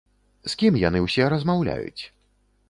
З кім яны ўсе размаўляюць?